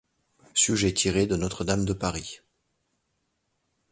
Sujets tirés de Notre-Dame de Paris.